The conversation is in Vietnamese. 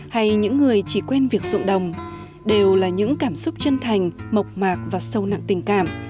hay những người chỉ quen việc dụng đồng đều là những cảm xúc chân thành mộc mạc và sâu nặng tình cảm